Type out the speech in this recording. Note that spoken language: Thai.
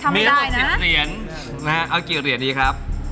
มีอันสิบเหรียญเอากี่เหรียญดีครับ